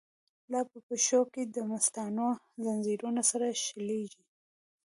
لاپه پښو کی دمستانو، ځنځیرونه سره شلیږی